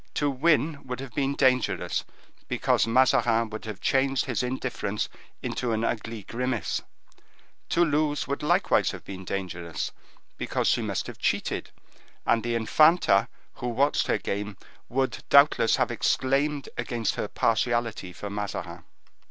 To win would have been dangerous, because Mazarin would have changed his indifference into an ugly grimace; to lose would likewise have been dangerous, because she must have cheated, and the infanta, who watched her game, would, doubtless, have exclaimed against her partiality for Mazarin.